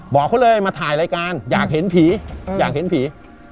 บอกเขาเลยมาถ่ายรายการอยากเห็นผีอยากเห็นผี